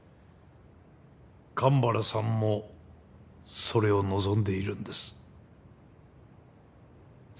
神原さんもそれを望んでいるんです。